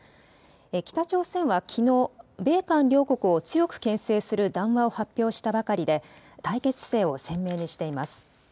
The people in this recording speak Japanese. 北朝鮮はきのう米韓両国を強くけん制する談話を発表したばかりで対決姿勢を鮮明にしています。